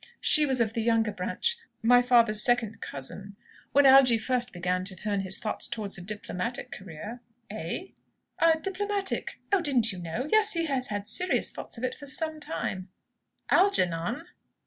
She was of the younger branch, my father's second cousin. When Algy first began to turn his thoughts towards a diplomatic career " "Eh?" "A diplomatic Oh, didn't you know? Yes; he has had serious thoughts of it for some time." "Algernon?"